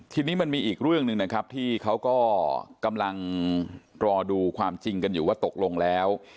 ทีนี้มันมีอีกเรื่องหนึ่งนะครับที่เขาก็กำลังรอดูความจริงกันอยู่ว่าตกลงแล้ว